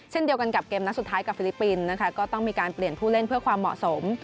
เช่นเดียวกันกับเกมนัดสุดท้ายกับฟิลิปปินส์นะคะก็ต้องมีการเปลี่ยนผู้เล่นเพื่อความเหมาะสม